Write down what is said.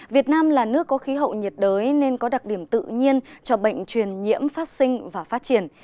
việt nam là nước có khí hậu nhiệt đới nên có đặc điểm tự nhiên cho bệnh truyền nhiễm phát sinh và phát triển